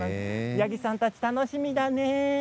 ヤギさんたち、楽しみだね。